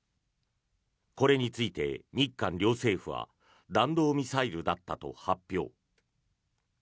これについて、日韓両政府は弾道ミサイルだったと発表。